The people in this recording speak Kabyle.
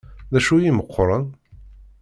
D acu i imeqqren?